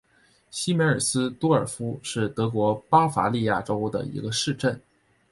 西梅尔斯多尔夫是德国巴伐利亚州的一个市镇。